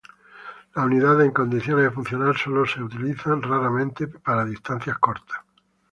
Las unidades en condiciones de funcionar solo son utilizadas raramente y para distancias cortas.